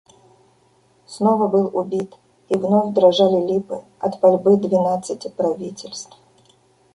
Снова был убит, и вновь дрожали липы от пальбы двенадцати правительств.